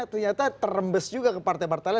ternyata terembes juga ke partai partainya